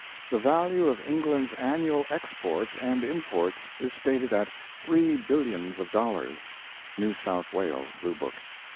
The value of England's annual exports and imports is stated at three billions of dollars, [New South Wales Blue Book.